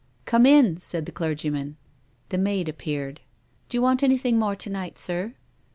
" Come in," said the clergyman. The maid appeared. " Do you want anything more to night, sir?